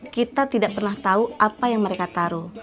kita tidak pernah tahu apa yang mereka taruh